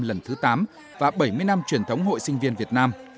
lần thứ tám và bảy mươi năm truyền thống hội sinh viên việt nam